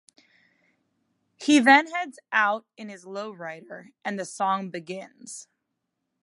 He then heads out in his lowrider and the song begins.